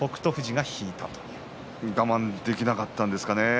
我慢できなかったんでしょうかね。